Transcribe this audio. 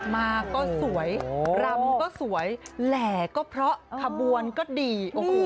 มาก็สวยรำก็สวยแหล่ก็เพราะขบวนก็ดี